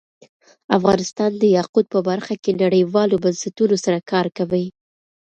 افغانستان د یاقوت په برخه کې نړیوالو بنسټونو سره کار کوي.